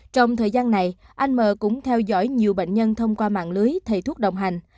trong thời gian này anh m cũng theo dõi nhiều bệnh nhân thông qua mạng lưới thầy thuốc đồng hành